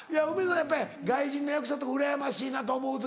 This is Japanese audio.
やっぱり外人の役者とかうらやましいなと思う時。